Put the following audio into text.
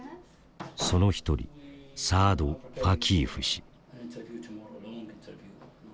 その一人サアド・ファキーフ氏。